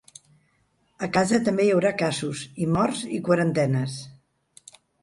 A casa també hi haurà casos, i morts i quarantenes.